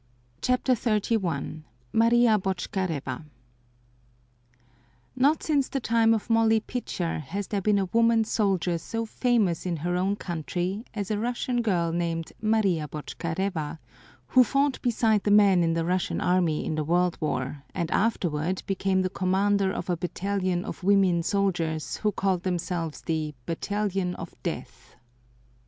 CHAPTER XXXI MARIA BOTCHKAREVA Not since the time of Molly Pitcher has there been a woman soldier so famous in her own country as a Russian girl named Maria Botchkareva, who fought beside the men in the Russian army in the World War and afterward became the commander of a battalion of women soldiers, who called themselves the "Battalion of Death."